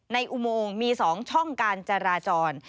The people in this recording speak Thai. อุโมงมี๒ช่องการจราจร